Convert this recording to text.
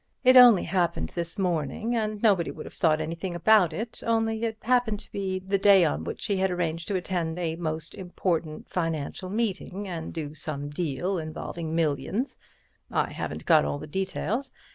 It only happened this morning, and nobody would have thought anything about it, only it happened to be the day on which he had arranged to attend a most important financial meeting and do some deal involving millions—I haven't got all the details.